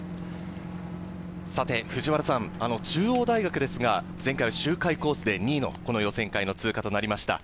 さて、中央大学ですが前回、周回コースで２位の予選会の通過となりました。